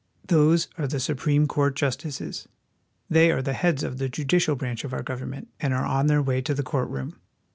Those are the Supreme Court justices. They are the heads of the judi cial branch of our government, and are on their way to the court room.